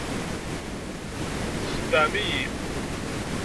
Txedɛem-iyi.